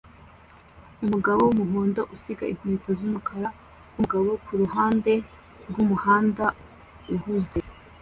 umugabo wumuhondo usiga inkweto z'umukara wumugabo kuruhande rwumuhanda uhuze